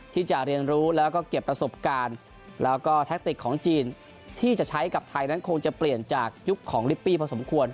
ที่จะเรียนรู้แล้วก็เก็บประสบการณ์แล้วก็แทคติกของจีนที่จะใช้กับไทยนั้นคงจะเปลี่ยนจากยุคของลิปปี้พอสมควร